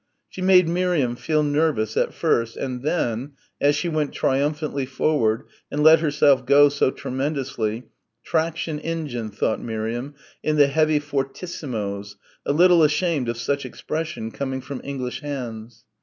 She made Miriam feel nervous at first and then as she went triumphantly forward and let herself go so tremendously traction engine, thought Miriam in the heavy fortissimos, a little ashamed of such expression coming from English hands.